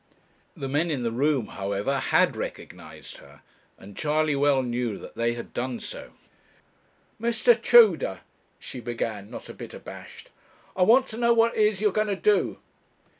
The men in the room, however, had recognized her, and Charley well knew that they had done so. 'Mr. Tudor,' she began, not a bit abashed, 'I want to know what it is you are a going to do?'